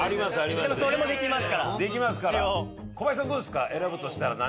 それもできますから。